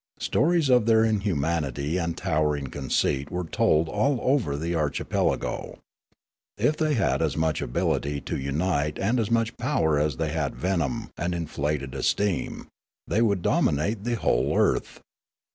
Stories of their inhumanity and towering conceit were told all over the archipelago. If they had as much ability to unite and as much power as they had venom and inflated self esteem, they would domin ate the whole earth.